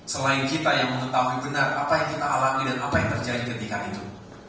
selain kita yang mengetahui benar apa yang kita alami dan apa yang terjadi ketika itu